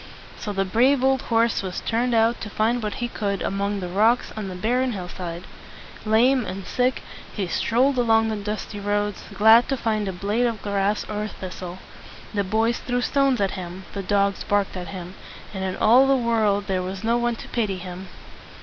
So the brave old horse was turned out to find what he could among the rocks on the barren hill side. Lame and sick, he strolled along the dusty roads, glad to find a blade of grass or a thistle. The boys threw stones at him, the dogs barked at him, and in all the world there was no one to pity him.